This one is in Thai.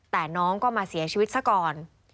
แต่น้องก็มาเสียชีวิตซะก่อน